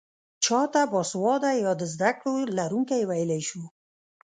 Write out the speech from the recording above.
چا ته باسواده يا د زده کړو لرونکی ويلی شو؟